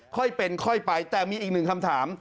ค่อยเป็นค่อยไปแต่มีอีกหนึ่งคำถาม